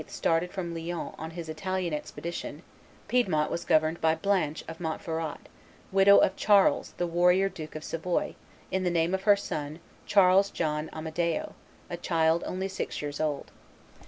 started from Lyons on his Italian expedition, Piedmout was governed by Blanche of Montferrat, widow of Charles the 'Warrior,' Duke of Savoy, in the name of her son Charles John Amadeo, a child only six years old.